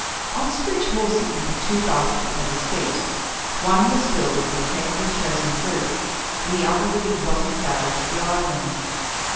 Osterbridge Hawsey had two baskets at his feet. One was filled with carefully chosen fruits, and the other with the exotic flowers of the island.